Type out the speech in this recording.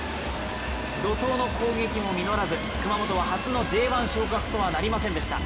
怒とうの攻撃も実らず、熊本は初のＪ１昇格とはなりませんでした。